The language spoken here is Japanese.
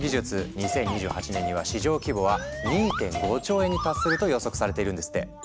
２０２８年には市場規模は２．５兆円に達すると予測されているんですって。